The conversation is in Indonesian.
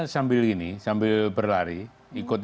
sambil ini sambil berlari ikut